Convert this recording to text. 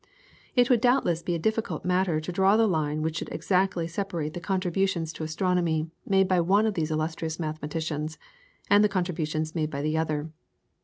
It would doubtless be a difficult matter to draw the line which should exactly separate the contributions to astronomy made by one of these illustrious mathematicians, and the contributions made by the other.